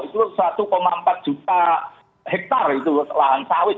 itu satu empat juta hektare itu lahan sawit